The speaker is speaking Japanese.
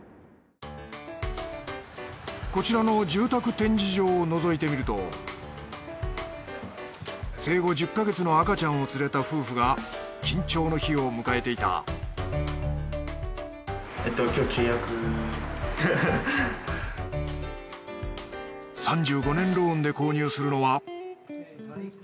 こちらの住宅展示場を覗いてみると生後１０か月の赤ちゃんを連れた夫婦が緊張の日を迎えていた３５年ローンで購入するのは。